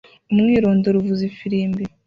Umwirondoro uvuza ifirimbi